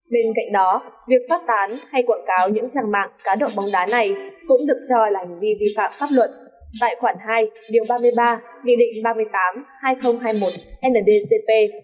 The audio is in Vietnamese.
bên cạnh đó việc phát tán hay quảng cáo những trang mạng cá độ bóng đá này cũng được cho là hành vi vi phạm pháp luật tại khoản hai điều ba mươi ba nghị định ba mươi tám hai nghìn hai mươi một ndcp